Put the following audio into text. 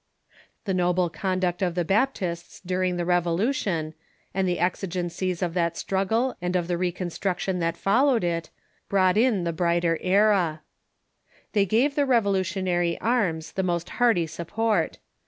The noble conduct of the Baptists during the Revolution, and the exigencies of that struggle and of the reconstruction that followed it, brought in the brighter era. They gave the Revolutionary arms the most hearty support.